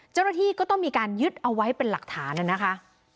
เจ้าหน้าที่ก็ต้องมีการยึดเอาไว้เป็นหลักฐานนะคะ